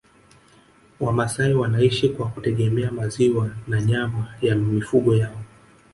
Wamasai wanaishi kwa kutegemea maziwa na nyama ya mifugo yao